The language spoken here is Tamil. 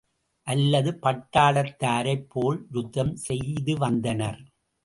அல்லது பட்டாளத்தாரைப்போல் யுத்தம் செய்துவந்தனர்.